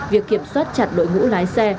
việc kiểm soát chặt đội ngũ lái xe